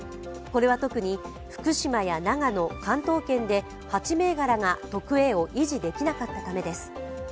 これは特に、福島や長野、関東圏で８銘柄が特Ａを維持できなかったためです。